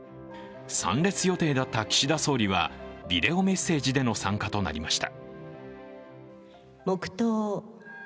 参列予定だった岸田総理はビデオメッセージでの参加となりました。